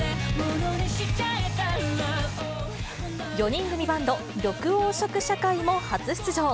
４人組バンド、緑黄色社会も初出場。